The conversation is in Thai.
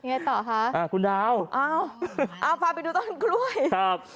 ไงต่อคะอ่าคุณดาวเอาพาไปดูต้นกล้วยครับ